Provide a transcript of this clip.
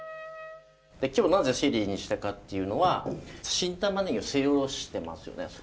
で今日なぜシェリーにしたかっていうのは新玉ねぎをすりおろしてますよね。